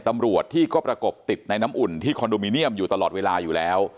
ตำรวจที่ก็ประกบติดในน้ำอุ่นที่คอนโดมิเนียมอยู่ตลอดเวลาอยู่แล้ว